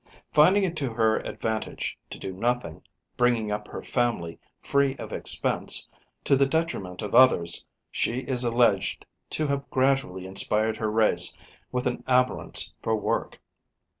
Finding it to her advantage to do nothing, bringing up her family free of expense, to the detriment of others, she is alleged to have gradually inspired her race with an abhorrence for work.